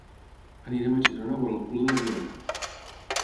Anirem a Girona a veure el cul de la lleona.